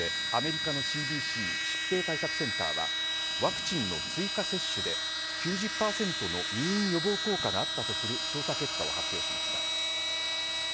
新型コロナウイルスのオミクロン株についてアメリカのＣＤＣ疾病対策センターはワクチンの追加接種で９０％の入院予防効果があったとする調査結果を発表しました。